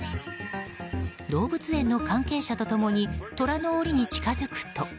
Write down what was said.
動物園の関係者と共にトラの檻に近づくと。